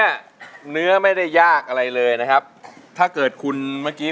แต่ตูประตามในเขาใครสั่งสอนไม่มี